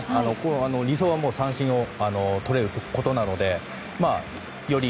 理想は三振をとれることなのでより